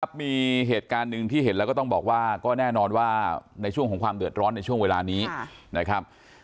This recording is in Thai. มีเหตุการณ์หนึ่งที่เห็นแล้วก็ต้องบอกว่าก็แน่นอนว่าในช่วงของความเดือดร้อนในช่วงเวลานี้นะครับ